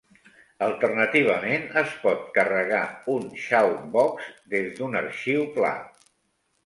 Alternativament, es pot carregar un shoutbox des d'un arxiu pla.